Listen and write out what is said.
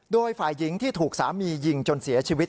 โดยฝ่ายหญิงที่ถูกสามียิงจนเสียชีวิต